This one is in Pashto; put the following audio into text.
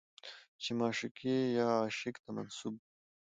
چې معشوقې يا عاشق ته منسوب